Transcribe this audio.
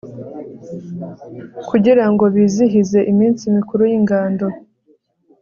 kugira ngo bizihize iminsi mikuru y'ingando